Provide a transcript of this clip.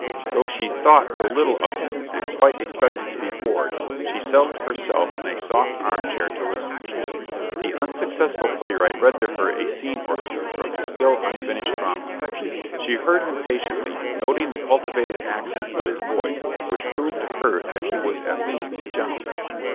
Though she thought so little of him, and quite expected to be bored, she settled herself in a soft armchair to listen. The unsuccessful playwright read to her a scene or two from his still unfinished drama. She heard him patiently, noting the cultivated accent of his voice, which proved to her that he was at least a gentleman.